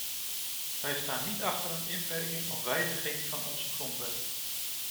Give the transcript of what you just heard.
Wij staan niet achter een inperking of wijziging van onze grondwet.